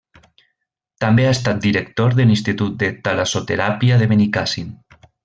També ha estat director de l'Institut de Talassoteràpia de Benicàssim.